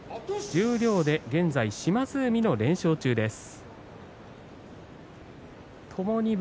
十両で現在、島津海連勝中です。